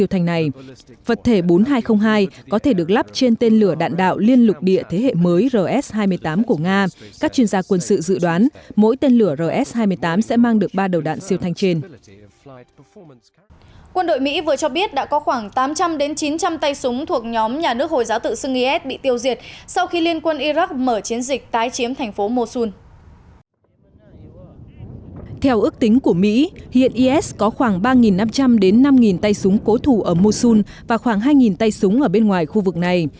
theo ước tính của mỹ hiện is có khoảng ba năm trăm linh năm tay súng cố thủ ở mosul và khoảng hai tay súng ở bên ngoài khu vực này